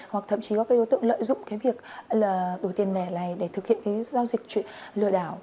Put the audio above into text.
hoặc thậm chí có đối tượng lợi dụng việc đổi tiền lẻ này để thực hiện giao dịch lừa đảo